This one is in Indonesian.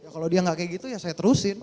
kalau dia nggak kayak gitu ya saya terusin